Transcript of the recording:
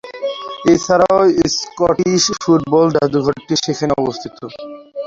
এছাড়াও Scottish football জাদুঘরটি সেখানেই অবস্থিত।